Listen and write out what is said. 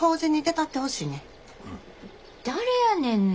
誰やねんな。